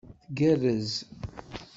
Tgerrez.